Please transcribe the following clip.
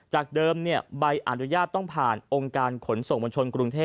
จากเดิมใบอนุญาตต้องผ่านองค์การขนส่งมวลชนกรุงเทพ